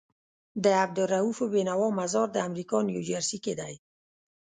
د عبدالروف بينوا مزار دامريکا نيوجرسي کي دی